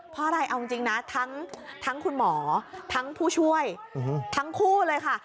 เพราะอะไรเอาจริงนะทั้งคุณหมอทั้งผู้ช่วยทั้งคู่เลยค่ะ